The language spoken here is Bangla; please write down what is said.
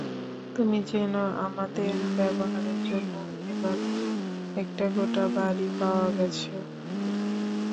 তুমি জেন, আমাদের ব্যবহারের জন্য এবার একটা গোটা বাড়ী পাওয়া গেছে।